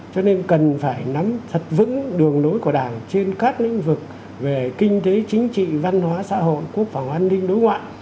cho nên cần phải nắm thật vững đường lối của đảng trên các lĩnh vực về kinh tế chính trị văn hóa xã hội quốc phòng an ninh đối ngoại